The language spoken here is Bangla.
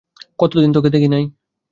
কতদিন তোকে দেখি নাই।